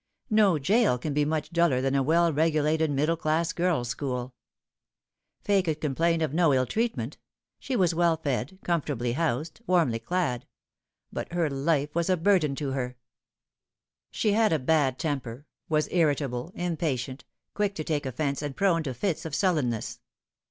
No gaol can be much duller than a well regulated middle class gills' school. Fay could complain of no ill treatment. She was well fed, comfortably housed, warmly clad ; but her life was a burden to her. She bad a bad temper ; was irritable, impatient, quick to take offence, and prone to fits of sullenness.